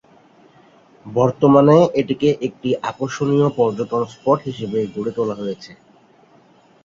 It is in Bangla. বর্তমানে এটিকে একটি আকর্ষণীয় পর্যটন স্পট হিসেবে গড়ে তোলা হয়েছে।